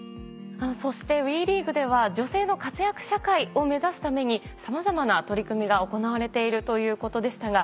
そしてＷＥリーグでは女性の活躍社会を目指すためにさまざまな取り組みが行われているということでしたが。